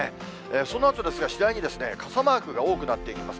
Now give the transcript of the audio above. そのあとですが、次第に傘マークが多くなっていきます。